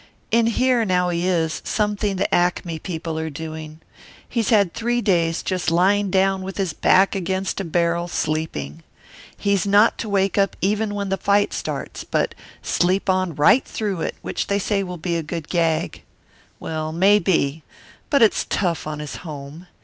In here now he is something the Acme people are doing. He's had three days, just lying down with his back against a barrel sleeping. He's not to wake up even when the fight starts, but sleep right on through it, which they say will be a good gag. Well, maybe. But it's tough on his home.